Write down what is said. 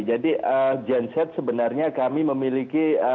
jadi genset sebenarnya kami memiliki